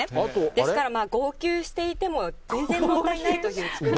ですから号泣していても、全然問題ないという作りになっています。